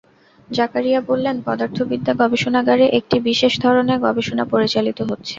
জাকারিয়া বললেন, পদার্থবিদ্যা গবেষণাগারে একটি বিশেষ ধরনের গবেষণা পরিচালিত হচ্ছে।